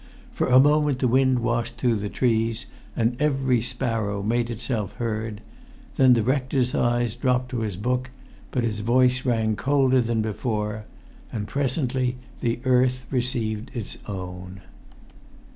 For a moment the wind washed through the trees, and every sparrow made itself heard; then the rector's eyes dropped to his book, but his voice rang colder than before. And presently the earth received its own.